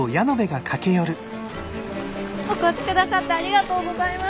お越しくださってありがとうございます！